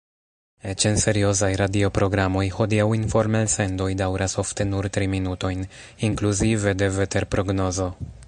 Eĉ en seriozaj radioprogramoj hodiaŭ informelsendoj daŭras ofte nur tri minutojn, inkluzive de veterprognozo.